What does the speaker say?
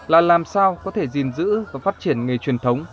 là làm sao có thể gìn giữ và phát triển nghề truyền thống